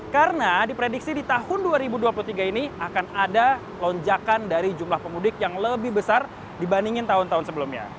karena diprediksi di tahun dua ribu dua puluh tiga ini akan ada lonjakan dari jumlah pemudik yang lebih besar dibandingin tahun tahun sebelumnya